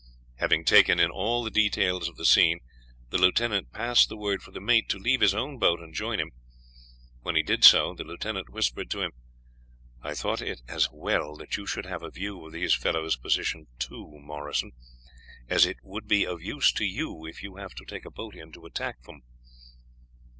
Having taken in all the details of the scene, the lieutenant passed the word for the mate to leave his own boat and join him. When he did so, he whispered to him: "I thought it was as well that you should have a view of these fellows' position too, Morrison, as it would be of use to you if you have to take a boat in to attack them."